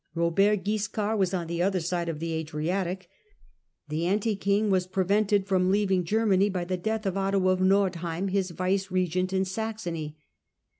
Robert Wiscard was on the other side of the Adriatic ; the anti king was prevented from leaving Germany by the death of Otto of Nordheim, his vice gerent in Saxony.